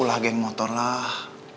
ulah geng motor lah